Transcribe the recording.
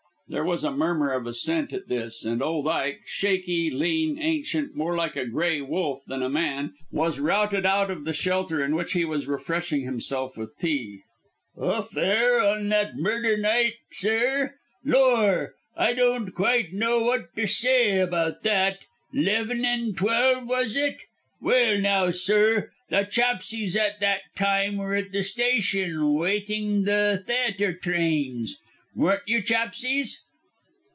There was a murmur of assent at this, and old Ike, shaky, lean, ancient, more like a grey wolf than a man, was routed out of the shelter in which he was refreshing himself with tea. "A fare on that murder night, sir? Lor', I don't quite know wot t' say 'bout that. 'Leven an' twelve was it? Well, now, sir, the chapsies at that time were at the station waiting the thayater trains. Weren't you, chapsies?"